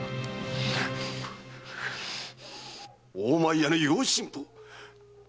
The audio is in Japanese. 大前屋の用心棒！